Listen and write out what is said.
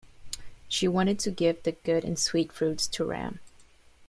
She wanted to give the good and sweet fruits to Ram.